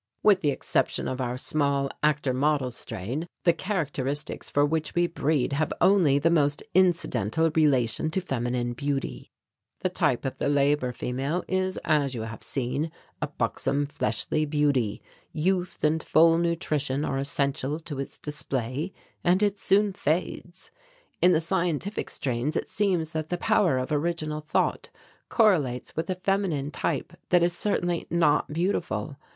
With the exception of our small actor model strain, the characteristics for which we breed have only the most incidental relation to feminine beauty. The type of the labour female is, as you have seen, a buxom, fleshly beauty; youth and full nutrition are essential to its display, and it soon fades. In the scientific strains it seems that the power of original thought correlates with a feminine type that is certainly not beautiful.